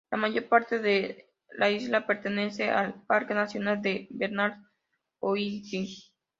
La mayor parte de la isla pertenece al Parque Nacional Bernardo O'Higgins.